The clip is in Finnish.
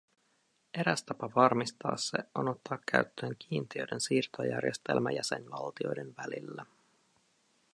Eräs tapa varmistaa se on ottaa käyttöön kiintiöiden siirtojärjestelmä jäsenvaltioiden välillä.